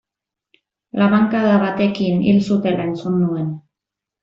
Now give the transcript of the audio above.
Labankada batekin hil zutela entzun nuen.